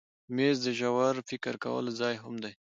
مېز د ژور فکر کولو ځای هم دی.